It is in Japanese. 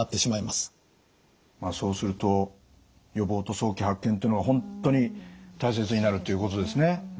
まあそうすると予防と早期発見っていうのは本当に大切になるっていうことですね。